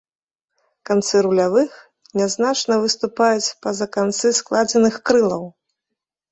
Канцы рулявых нязначна выступаюць па-за канцы складзеных крылаў.